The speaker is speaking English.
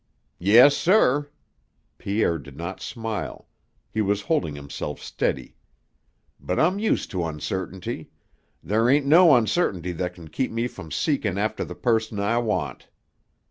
"Yes, sir." Pierre did not smile. He was holding himself steady. "But I'm used to uncertainty. There ain't no uncertainty that can keep me from seekin' after the person I want."